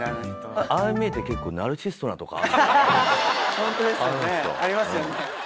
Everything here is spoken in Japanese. ホントですよねありますよね。